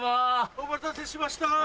お待たせしました。